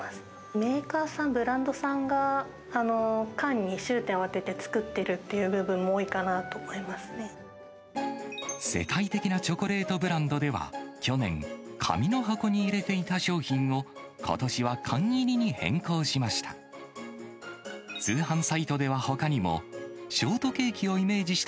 メーカーさん、ブランドさんが缶に焦点を当てて作っているっていう部分も多いか世界的なチョコレートブランドでは、去年、紙の箱に入れていた商品を、ことしは缶入りに変更しました。